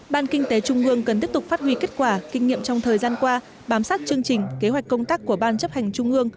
ban kinh tế trung ương cần tiếp tục phát huy kết quả kinh nghiệm trong thời gian qua bám sát chương trình kế hoạch công tác của ban chấp hành trung ương